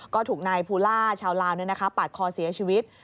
ก็ถูกนายภูล่าชาวลาวปาดคอเสียชีวิต